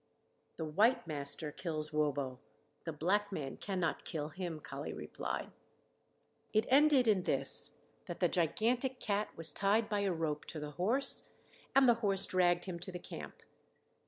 "The white master kills wobo; the black man cannot kill him," Kali replied. It ended in this, that the gigantic cat was tied by a rope to the horse and the horse dragged him to the camp.